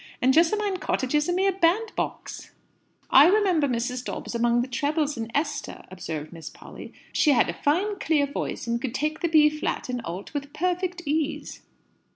"And Jessamine Cottage is a mere bandbox." "I remember Mrs. Dobbs among the trebles in 'Esther,'" observed Miss Polly. "She had a fine clear voice, and could take the B flat in alt with perfect ease."